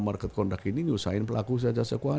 market conduct ini nyusahin pelaku sahaja sekeuangan